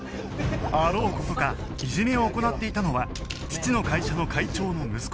あろう事かいじめを行っていたのは父の会社の会長の息子だった